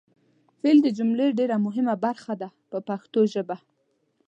فعل د جملې ډېره مهمه برخه ده په پښتو ژبه.